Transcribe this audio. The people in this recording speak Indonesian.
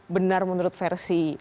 benar menurut versi